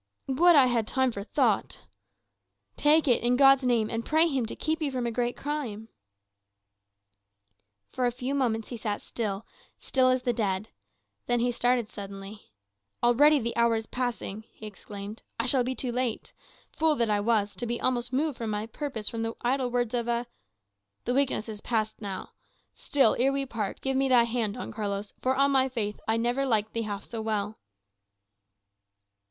"Would I had time for thought!" "Take it, in God's name, and pray him to keep you from a great crime." For a few moments he sat still still as the dead. Then he started suddenly. "Already the hour is passing," he exclaimed; "I shall be too late. Fool that I was, to be almost moved from my purpose by the idle words of a The weakness is past now. Still, ere we part, give me thy hand, Don Carlos, for, on my faith, I never liked thee half so well."